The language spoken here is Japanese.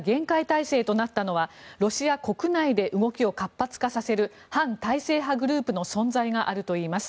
式典が厳戒態勢となったのはロシア国内で動きを活発化させる反体制派グループの存在があるといいます。